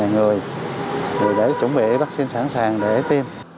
người đã chuẩn bị vaccine sẵn sàng để tiêm